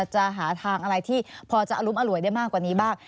จะหาทางอะไรที่พอจะอรุมอร่วยได้มากกว่านี้บ้าง